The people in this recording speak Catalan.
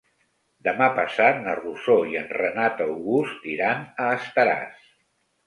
Demà passat na Rosó i en Renat August iran a Estaràs.